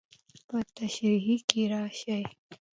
په تشريحي کې راشي.